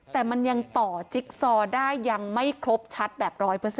แต่มันยังต่อจิ๊กซอได้ยังไม่ครบชัดแบบ๑๐๐